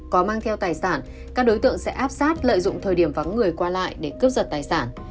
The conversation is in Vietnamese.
có mang theo tài sản các đối tượng sẽ áp sát lợi dụng thời điểm vắng người qua lại để cướp giật tài sản